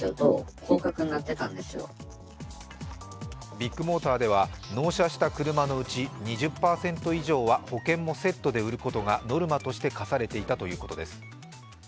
ビッグモーターでは、納車した車のうち２０％以上は保険もセットで売ることがノルマとして課されていたといいます。